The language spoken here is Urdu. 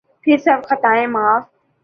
پھر سب خطائیں معاف۔